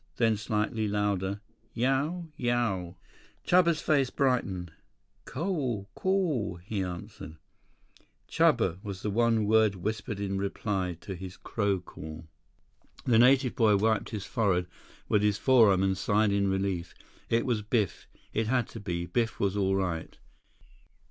Then, slightly louder, "Yow ... Yow." Chuba's face brightened. "Caww ... caww," he answered. "Chuba" was the one word whispered in reply to his crow call. The native boy wiped his forehead with his forearm and sighed in relief. It was Biff. It had to be. Biff was all right.